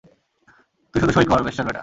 তুই শুধু সঁই কর, বেশ্যার ব্যাটা।